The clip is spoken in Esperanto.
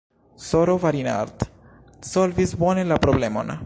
S-ro Varinard solvis bone la problemon.